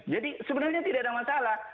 jadi sebenarnya tidak ada masalah